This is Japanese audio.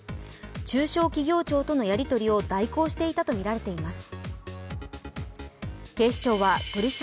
中小企業庁とのやり取りを代行していたとみられています。